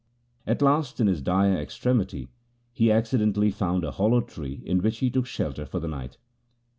At last in his dire extremity he accidentally found a hollow tree in which he took shelter for the night.